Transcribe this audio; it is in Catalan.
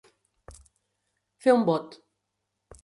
Fer un bot.